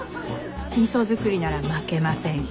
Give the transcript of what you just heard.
みそ造りなら負けません。